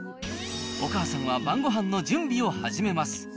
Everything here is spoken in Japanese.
お母さんは晩ごはんの準備を始めます。